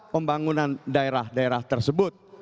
pembangunan daerah daerah tersebut